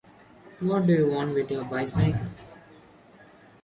What do you want with your bicycle?